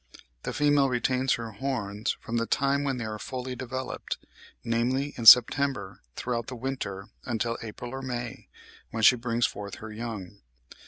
The female retains her horns from the time when they are fully developed, namely, in September, throughout the winter until April or May, when she brings forth her young.